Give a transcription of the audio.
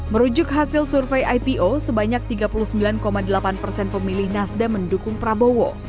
merujuk hasil survei ipo sebanyak tiga puluh sembilan delapan persen pemilih nasdem mendukung prabowo